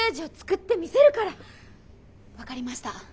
分かりました。